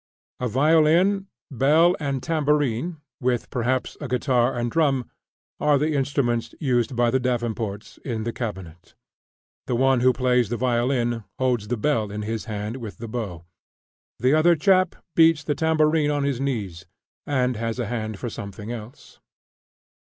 A violin, bell, and tambourine, with perhaps a guitar and drum, are the instruments used by the Davenports in the cabinet. The one who plays the violin holds the bell in his hand with the bow. The other chap beats the tambourine on his knee, and has a hand for something else.